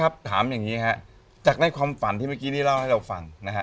ครับเจ๊ครับถามอย่างนี้ครับจากในความฝันที่เมื่อกี้นี้เล่าให้เราฟัน